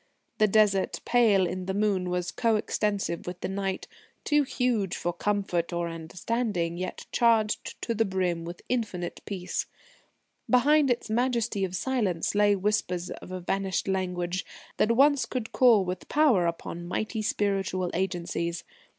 The Desert, pale in the moon, was coextensive with the night, too huge for comfort or understanding, yet charged to the brim with infinite peace. Behind its majesty of silence lay whispers of a vanished language that once could call with power upon mighty spiritual Agencies.